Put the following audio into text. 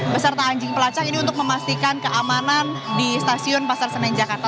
beserta anjing pelacak ini untuk memastikan keamanan di stasiun pasar senen jakarta